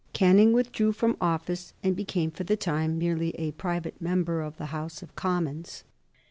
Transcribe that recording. Canning withdrew from office and became, for the time, merely a private member of the House of Commons.